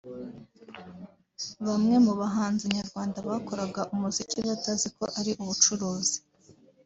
Bamwe mu bahanzi nyarwanda bakoraga umuziki batazi ko ari ubucuruzi